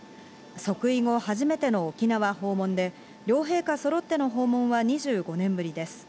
即位後初の沖縄訪問で両陛下そろっての訪問は２５年ぶりです。